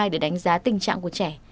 để đánh giá tình trạng của trẻ